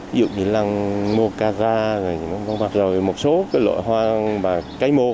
ví dụ như lăng mô ca ra rồi một số loại hoa cây mô